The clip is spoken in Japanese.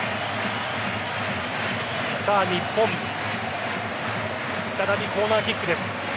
日本、再びコーナーキックです。